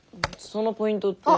そのポイントって。